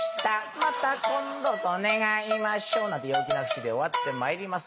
また今度と願いましょなんて陽気な節で終わってまいります。